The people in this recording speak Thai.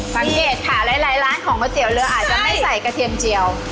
สังเกตค่ะหลายร้านของก๋วยเตี๋ยวเรืออาจจะไม่ใส่กระเทียมเจียว